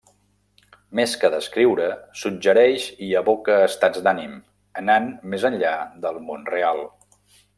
Més que descriure, suggereix i evoca estats d’ànim, anant més enllà del món real.